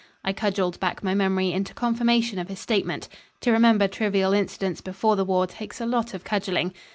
I cudgelled back my memory into confirmation of his statement. To remember trivial incidents before the war takes a lot of cudgelling.